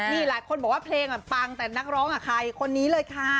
นี่หลายคนบอกว่าเพลงมันมันมั๊งแต่นักร้องอ่ะคนนี้เลยค่ะ